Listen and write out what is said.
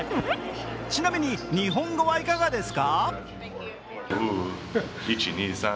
ちなみに日本語はいかがですか？